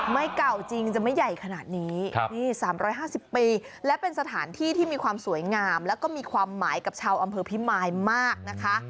เก่าจริงจะไม่ใหญ่ขนาดนี้นี่๓๕๐ปีและเป็นสถานที่ที่มีความสวยงามแล้วก็มีความหมายกับชาวอำเภอพิมายมากนะคะ